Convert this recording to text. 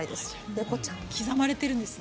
猫ちゃんは刻まれているんですね。